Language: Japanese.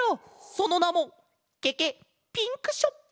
そのなもケケッピンクショップ！